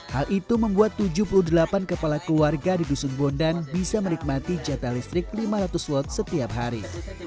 hal itu membuat tujuh puluh delapan kepala keluarga di dusun bondan bisa menikmati jata listrik lima ratus watt setiap hari